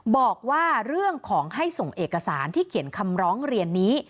บอกว่าเรื่องของให้ส่งเอกสารที่เขียนคำร้องเรียนนี้